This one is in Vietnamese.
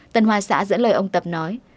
tân hoa xã dẫn lời ông tập nói